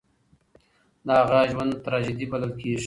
د هغه ژوند تراژيدي بلل کېږي.